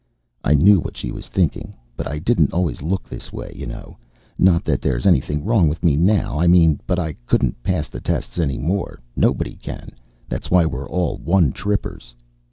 I knew what she was thinking. But I didn't always look this way, you know. Not that there's anything wrong with me now, I mean, but I couldn't pass the tests any more. Nobody can. That's why we're all one trippers.